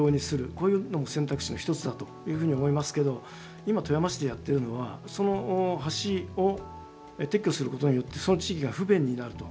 こういうのも選択肢の一つだというふうに思いますけど今富山市でやってるのはその橋を撤去することによってその地域が不便になると。